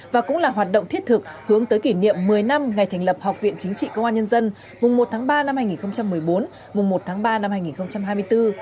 và cũng là hoạt động thiết thực hướng tới kỷ niệm một mươi năm ngày thành lập học viện chính trị công an nhân dân mùng một tháng ba năm hai nghìn một mươi bốn mùng một tháng ba năm hai nghìn hai mươi bốn